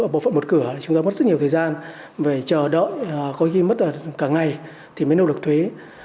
bộ phận một cửa chúng ta mất rất nhiều thời gian phải chờ đợi có khi mất cả ngày thì mới nâu được thuế